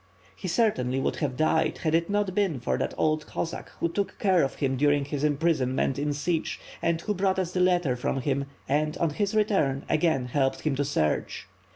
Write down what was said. "He certainly would have died, had it not been for that old Cossack who took care of him during his imprisonment in Sich and who brought us the letter from him, and on his return again helped him to search.